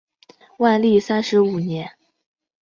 万历三十五年。